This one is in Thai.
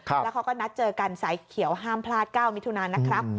แล้วเขาก็นัดเจอกันสายเขียวห้ามพลาด๙มิถุนานะครับ